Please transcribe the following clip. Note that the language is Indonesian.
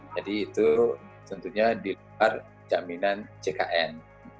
jadi itu tentunya di luar jaminan ckn